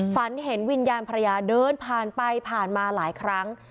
ฝันเห็นวิญญาณภรรยาเดินผ่านไปผ่านมาหลายครั้ง